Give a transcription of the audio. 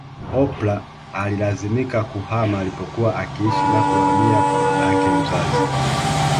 Oprah alilazimika kuhama alipokuwa akiishi na kuhamia kwa baba yake mzazi